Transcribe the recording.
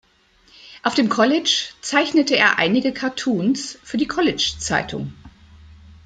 Auf dem College zeichnete er einige Cartoons für die College-Zeitung.